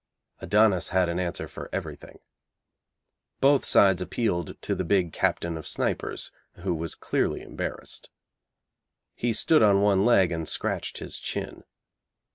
Adonis had an answer for everything. Both sides appealed to the big Captain of Snipers, who was clearly embarrassed. He stood on one leg and scratched his chin.